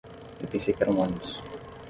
Eu pensei que era um ônibus.